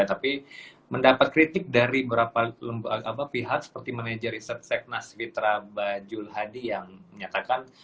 tapi mendapat kritik dari beberapa pihak seperti manajer riset seknas fitra bajul hadi yang menyatakan